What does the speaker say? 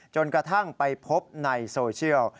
จนกระทั่งไปพบในโซเชียล